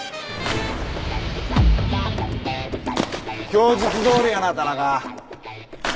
供述どおりやな田中。